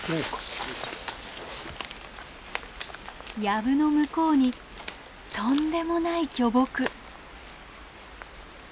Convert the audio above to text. やぶの向こうにとんでもない巨木。